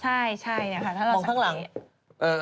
ใช่ถ้าเราสังเกต